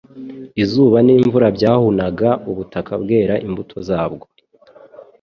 Izuba n'imvura byahunaga ubutaka bwera imbuto zabwo.